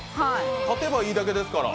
勝てばいいだけですから。